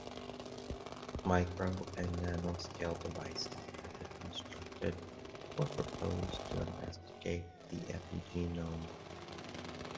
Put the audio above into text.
Micro- and nanoscale devices have been constructed or proposed to investigate the epigenome.